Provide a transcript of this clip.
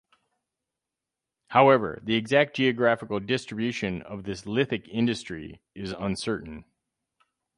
However, the exact geographical distribution of this lithic industry is uncertain.